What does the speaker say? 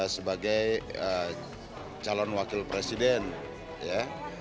sebagai calon wakil presiden ya